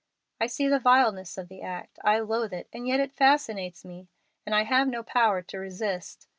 I see the vileness of the act, I loathe it, and yet it fascinates me, and I have no power to resist.